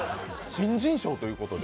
新人賞ということで。